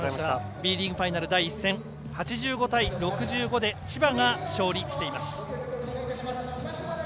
Ｂリーグファイナル第１戦千葉が勝利しています。